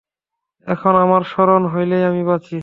এখন আমার মরণ হইলেই আমি বাঁচি।